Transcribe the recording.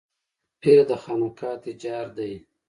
پير د خانقاه تجار دی.